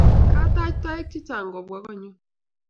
Kataach toek chechang' kopwan konyun